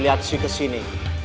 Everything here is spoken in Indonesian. lihat ke sini